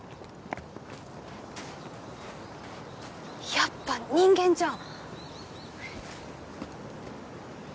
やっぱ人間じゃん！